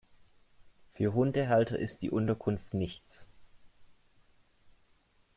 Für Hundehalter ist die Unterkunft nichts.